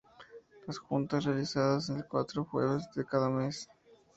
Las juntas son realizadas el cuarto Jueves de cada mes.